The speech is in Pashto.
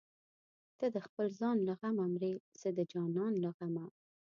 ته د خپل ځان له غمه مرې زه د جانان له غمه